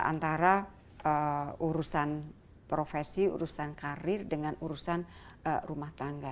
antara urusan profesi urusan karir dengan urusan rumah tangga